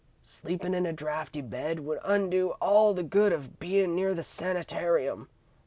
Sleepin' in a drafty bed would undo all the good of bein' near the sanitarium.